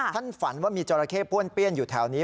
ท่านฝันว่ามีจราเข้ป้วนเปี้ยนอยู่แถวนี้